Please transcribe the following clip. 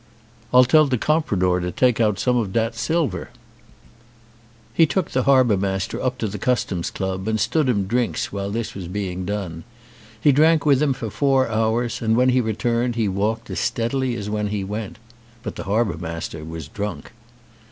"I'll tell the compradore to take out some of dat silver." 218 THE SEA DOG He took the harbour master up to the Customs' Club and stood him drinks while this was being done. He drank with him for four hours, and when he returned he walked as steadily as when he went. But the harbour master was drunk.